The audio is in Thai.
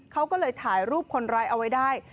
เขาก็เลยถ่ายรูปคนร้ายเอาไว้ได้